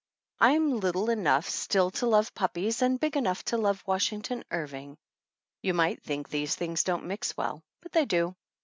I am little enough still to love puppies and big enough to love Washington Irving. You might think these don't mix well, but they do.